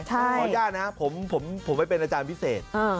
ใช่พอแย่นะผมผมผมไม่เป็นอาจารย์พิเศษอืม